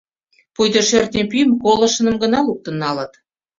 Пуйто шӧртньӧ пӱйым колышыным гына луктын налыт.